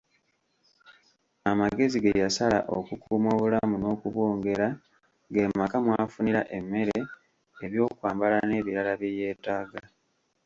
Amagezi ge yasala okukuuma obulamu n'okubwongera ge maka mw'afunira emmere, ebyokwambala n'ebirala bye yeetaaga.